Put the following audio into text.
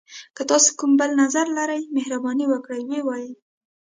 که تاسي کوم بل نظر لری، مهرباني وکړئ ووایئ.